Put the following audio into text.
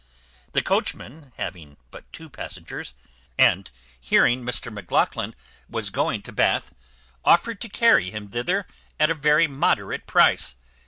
The coachman, having but two passengers, and hearing Mr Maclachlan was going to Bath, offered to carry him thither at a very moderate price.